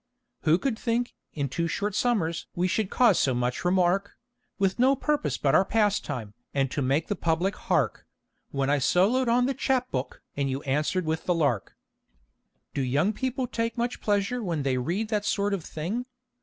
Who could think, in two short summers we should cause so much remark, With no purpose but our pastime, and to make the public hark, When I soloed on The Chap Book, and you answered with The Lark! Do young people take much pleasure when they read that sort of thing?